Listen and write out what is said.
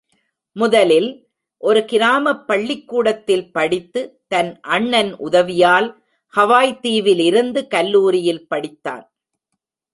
முதலில் ஒரு கிராமப் பள்ளிக்கூடத்தில் படித்து தன் அண்ணன் உதவியால் ஹவாய் தீவில் இருந்து கல்லூரியில் படித்தான்.